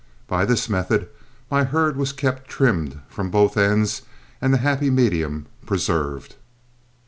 By this method my herd was kept trimmed from both ends and the happy medium preserved.